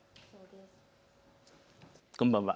こんばんは。